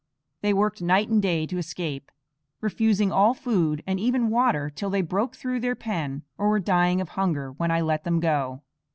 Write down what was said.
They worked night and day to escape, refusing all food and even water till they broke through their pen, or were dying of hunger, when I let them go.